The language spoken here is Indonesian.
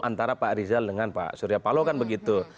antara pak rizal dengan pak suryapalo kan begitu